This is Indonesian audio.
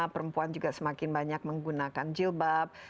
perempuan juga semakin banyak menggunakan jilbab